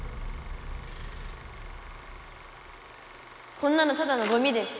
こんなのただのゴミです。